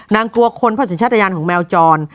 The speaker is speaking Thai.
นางกลัวคนเพราะสินชาติอาญาณของแมวจร